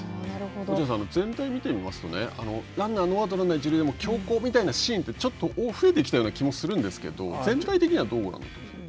落合さん、全体を見てみますと、ランナー、ノーアウト、ランナー一塁でも、強攻みたいなシーンって、ちょっと増えてきたような気がするんですけど、全体的にはどうなんですか。